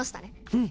うん。